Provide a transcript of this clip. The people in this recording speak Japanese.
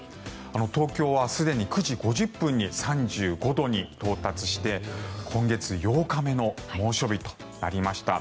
東京はすでに９時５０分に３５度に到達して今月８日目の猛暑日となりました。